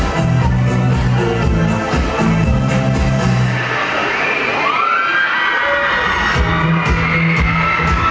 ไม่ต้องถามไม่ต้องถาม